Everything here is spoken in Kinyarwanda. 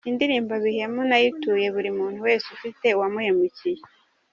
Indirimbo Bihemu nayituye buri muntu wese ufite uwamuhemukiye.